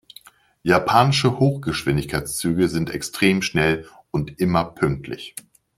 Japanische Hochgeschwindigkeitszüge sind extrem schnell und immer pünktlich.